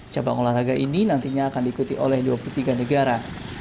cabang olahraga ini nantinya akan diikuti oleh dua puluh tiga negara